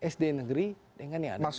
sd negeri dengan yang ada di